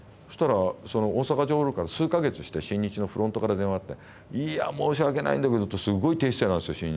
そしたらその大阪城ホールから数か月して新日のフロントから電話があって「いや申し訳ないんだけど」ってすごい低姿勢なんですよ